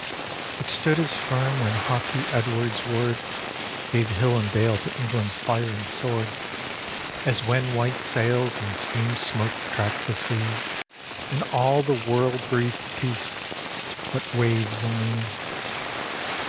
It stood as firm when haughty Edward's word Gave hill and dale to England's fire and sword, As when white sails and steam smoke tracked the sea, And all the world breathed peace, but waves and me.